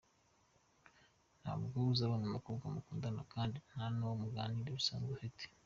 Ntabwo uzabona umukobwa mukundana kandi nta n’uwo muganira bisanzwe ufite.